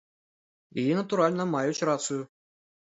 І, натуральна, маюць рацыю.